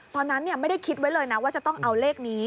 ตอนนั้นไม่ได้คิดไว้เลยนะว่าจะต้องเอาเลขนี้